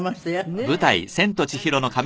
ねえ。